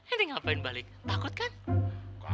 henti ngapain balik takut kan